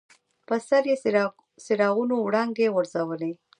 پر سر یې څراغونو وړانګې غورځولې.